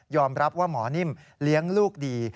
รับว่าหมอนิ่มเลี้ยงลูกดี